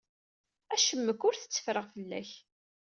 Acemmek ur tetteffreɣ fell-ak.